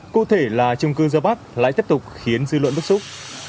cụ thể là trung cư giao bắc lại tiếp tục khiến dư luận lúc xúc